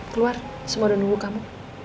keluar semua udah nunggu kamu